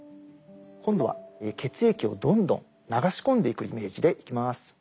今度は血液をどんどん流し込んでいくイメージでいきます。